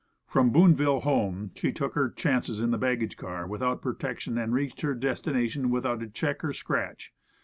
From Boonville home, she took her chances in the baggage car without protection, and reached her destination without a check or scratch.